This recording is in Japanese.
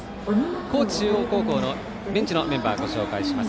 高知中央高校のベンチのメンバーご紹介します。